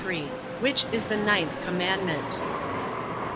Which is the ninth commandment?